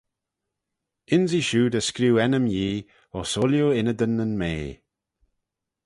Ynsee shiu dy screeu ennym Yee ayns ooilley ynnydyn nyn mea.